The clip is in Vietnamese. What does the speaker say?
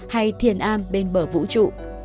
hay thiền am bên bờ vũ trụ